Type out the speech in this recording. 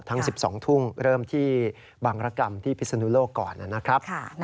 ทั้ง๑๒ทุ่มเริ่มที่บางรกรรมที่พิศนุโลกก่อนนะครับ